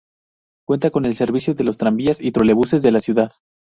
Cuenta con el servicio de los tranvías y trolebuses de la ciudad.